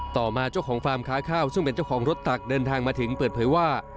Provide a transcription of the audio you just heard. ต่อมาเจ้าของฟาร์มค้าข้าวซึ่งเป็นเจ้าของรถตักเดินทางมาถึงเปิดเผยว่า